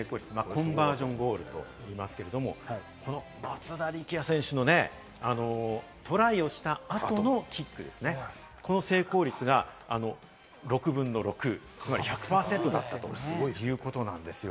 コンバージョンゴールといいますが、松田力也選手のトライをした後のキックですね、この成功率が６分の６、つまり１００％だったという、すごいことなんですよ。